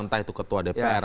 entah itu ketua dpr